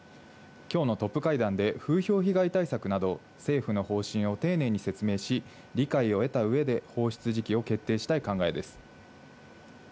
きょうのトップ会談で風評被害対策など、政府の方針を丁寧に説明し、理解を得た上で放出時期を決定したい考えです。